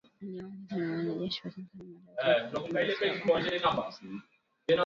Yaliyoongozwa na wanajeshi wa Tanzania, Malawi, Jamhuri ya kidemokrasia ya Kongo na Afrika kusini.